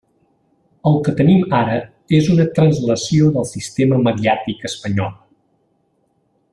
El que tenim ara és una translació del sistema mediàtic espanyol.